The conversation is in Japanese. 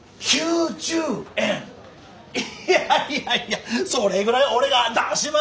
いやいやいやそれぐらい俺が出しましょうか？